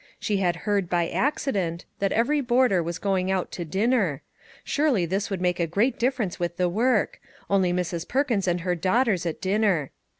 She had heard, by accident, that every boarder was going out to dinner. Surely this would make a great difference with the work; only Mrs. Perkins and her daughters at dinner.